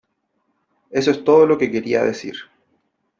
Eso es todo lo que quería decir .